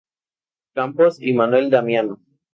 Campos y Manuel Damiano.